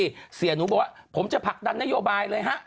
เสียหนูบอกว่าผมจะผลักดันนโยบายเลยฮะ